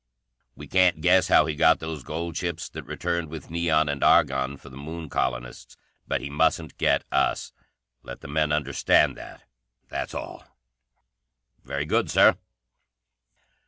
"We can't guess how he got those gold ships that returned with neon and argon for the Moon colonists. But he mustn't get us. Let the men understand that. That's all." "Very good, Sir."